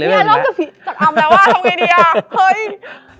แล้วแต่ผีอำแล้วอะทำไงดีอะ